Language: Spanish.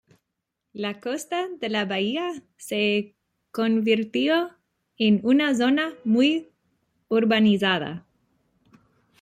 La costa de la bahía se convirtió en una zona muy urbanizada.